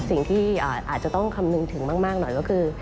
สิ่งที่อาจจะต้องคำนึงถึงมากหน่อยก็คือ